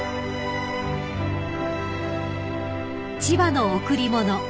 ［『千葉の贈り物』］